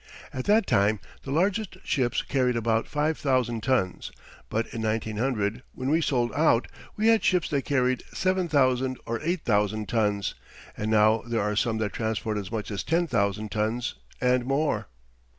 At that time the largest ships carried about five thousand tons, but in 1900, when we sold out, we had ships that carried seven thousand or eight thousand tons, and now there are some that transport as much as ten thousand tons and more.